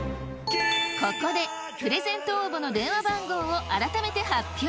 ここでプレゼント応募の電話番号を改めて発表。